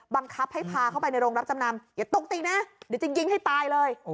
บังคับให้พาเข้าไปในโรงรับจำนำอย่าตกตินะเดี๋ยวจะยิงให้ตายเลย